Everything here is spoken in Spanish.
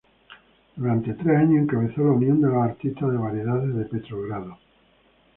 Durante tres años encabezó la Unión de los Artistas de Variedades de Petrogrado.